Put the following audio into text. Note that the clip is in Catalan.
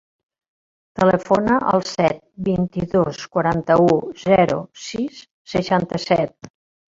Telefona al set, vint-i-dos, quaranta-u, zero, sis, seixanta-set.